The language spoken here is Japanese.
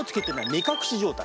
目隠し状態。